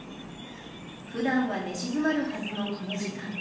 ふだんは寝静まるはずのこの時間。